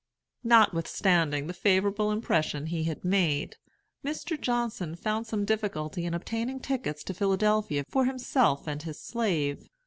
Notwithstanding the favorable impression he had made, Mr. Johnson found some difficulty in obtaining tickets to Philadelphia for himself and his slave.